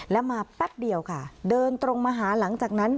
แล้วมาแป๊บเดียวค่ะเดินตรงมาหาหลังจากนั้น